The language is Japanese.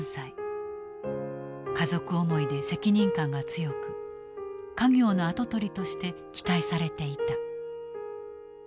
家族思いで責任感が強く家業の跡取りとして期待されていた。